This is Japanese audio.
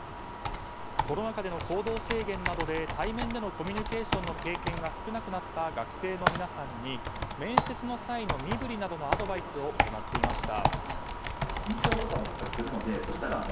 コロナ禍での行動制限などで対面でのコミュニケーションの経験が少なくなった学生の皆さんに面接の際の身振りなどのアドバイスを行っていました。